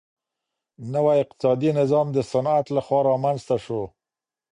نوی اقتصادي نظام د صنعت لخوا رامنځته سو.